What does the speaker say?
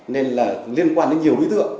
nên liên quan đến nhiều lý tượng